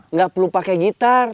nggak perlu pakai gitar